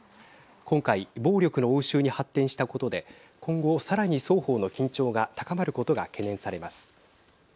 今回暴力の応酬に発展したことで今後、さらに双方の緊張が高まることが懸念されます。